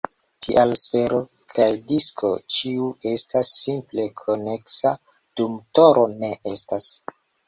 Tial, sfero kaj disko, ĉiu estas simple koneksa, dum toro ne estas.